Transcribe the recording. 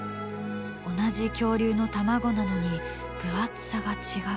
同じ恐竜の卵なのに分厚さが違う。